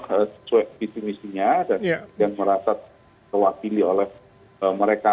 sesuai visi misinya dan merasa terwakili oleh mereka